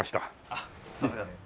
あっさすがで。